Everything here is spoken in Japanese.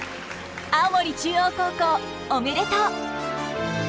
青森中央高校おめでとう。